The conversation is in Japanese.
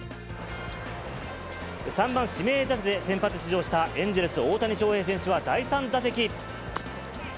３番指名打者で先発出場したエンゼルス、大谷翔平選手は第３打席。